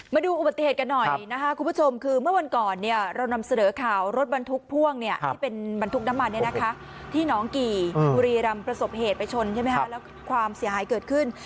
มาดูอุบัติเหตุกันหน่อยนะคะคุณผู้ชมคือเมื่อวันก่อนเนี่ยเรานำเสนอข่าวรถบรรทุกพ่วงที่เป็นบรรทุกน้ำมันที่น้องกี่บุรีรำประสบเหตุไปชนใช่ไหมคะแล้วความเสียหายเกิดขึ้น